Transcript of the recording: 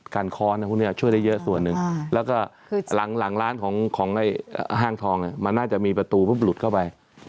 ค้อนพวกนี้ช่วยได้เยอะส่วนหนึ่งแล้วก็หลังร้านของห้างทองมันน่าจะมีประตูปุ๊บหลุดเข้าไป